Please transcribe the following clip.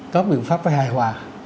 tốt biện pháp phải hài hòa